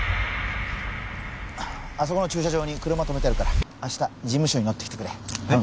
あの駐車場に車とめてあるから明日事務所に乗ってきてくれえッ？